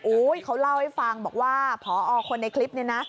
เขาเล่าให้ฟังบอกว่าพอคนในคลิปนี้นะ